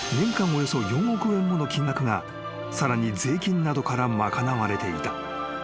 およそ４億円もの金額がさらに税金などから賄われていた］